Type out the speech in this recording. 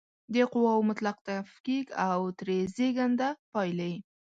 د قواوو مطلق تفکیک او ترې زېږنده پایلې